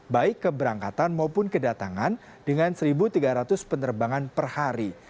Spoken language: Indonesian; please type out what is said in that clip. baik keberangkatan maupun kedatangan dengan satu tiga ratus penerbangan per hari